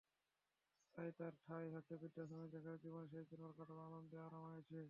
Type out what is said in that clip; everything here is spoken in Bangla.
তাই তাঁর ঠাঁই হচ্ছে বৃদ্ধাশ্রমে, যেখানে জীবনের শেষ দিনগুলো কাটবেন আনন্দে, আরাম-আয়েশে।